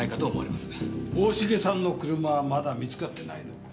大重さんの車はまだ見つかってないのか？